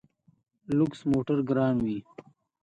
لوکس موټر ګران وي.